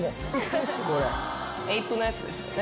ＡＰＥのやつですよね？